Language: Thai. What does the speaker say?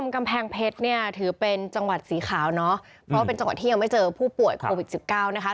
กำแพงเพชรเนี่ยถือเป็นจังหวัดสีขาวเนาะเพราะว่าเป็นจังหวัดที่ยังไม่เจอผู้ป่วยโควิด๑๙นะคะ